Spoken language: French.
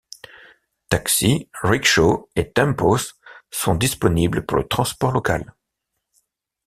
Taxis, rickshaws et tempos sont disponibles pour le transport local.